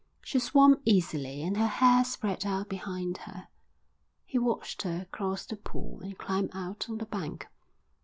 She swam easily and her hair spread out behind her. He watched her cross the pool and climb out on the bank.